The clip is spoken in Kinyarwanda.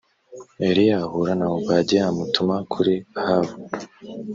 eliya ahura na obadiya amutuma kuri ahabu